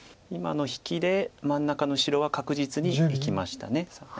今の引きで真ん中の白は確実に生きました。